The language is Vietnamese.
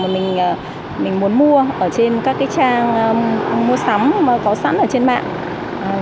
mà mình muốn mua ở trên các trang mua sắm có sẵn ở trên mạng